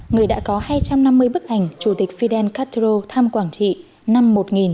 người đã có hai trăm năm mươi bức ảnh chủ tịch fidel castro thăm quảng trị năm một nghìn chín trăm bảy mươi